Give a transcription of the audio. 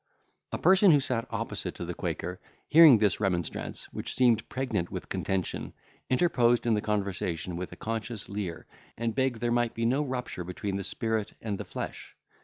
A person who sat opposite to the quaker, hearing this remonstrance, which seemed pregnant with contention, interposed in the conversation with a conscious leer, and begged there might be no rupture between the spirit and the flesh.